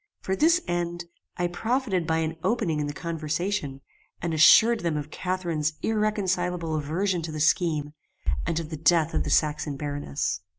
For this end I profited by an opening in the conversation, and assured them of Catharine's irreconcilable aversion to the scheme, and of the death of the Saxon baroness.